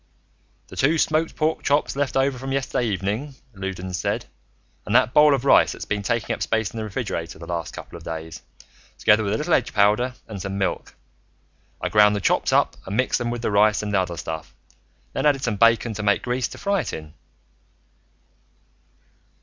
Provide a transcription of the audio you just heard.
"The two smoked pork chops left over from yesterday evening," Loudons said, "and that bowl of rice that's been taking up space in the refrigerator the last couple of days, together with a little egg powder and some milk. I ground the chops up and mixed them with the rice and other stuff. Then added some bacon, to make grease to fry it in."